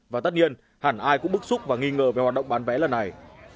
và tất nhiên hẳn ai cũng bức xúc và nghi ngờ về hoạt động bán vé lần này